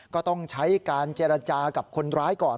ก็ต้องใช้การเจรจากับคนร้ายก่อน